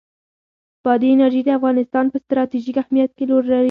بادي انرژي د افغانستان په ستراتیژیک اهمیت کې رول لري.